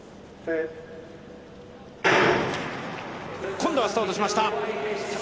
今度はスタートしました。